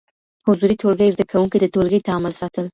حضوري ټولګي زده کوونکي د ټولګي تعامل ساتل.